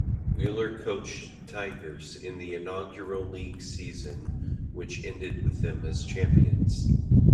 Wheeler coached Tigers in the inaugural league season which ended with them as champions.